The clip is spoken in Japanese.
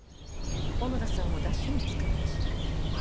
小野田さんをダシに使いました。